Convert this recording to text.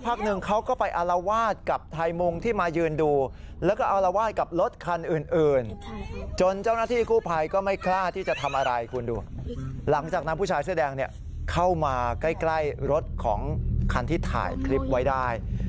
เพราะว่าผู้ชายเสื้อแดงเข้ามาใกล้รถของคันที่ถ่ายคลิปไว้ได้